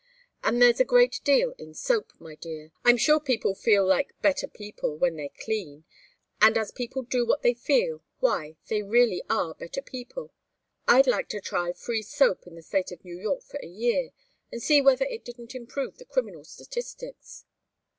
And there's a great deal in soap, my dear. I'm sure people feel like better people when they're clean, and as people do what they feel, why, they really are better people. I'd like to try free soap in the State of New York for a year, and see whether it didn't improve the criminal statistics."